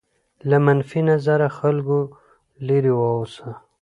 له منفي نظره خلکو لرې واوسه.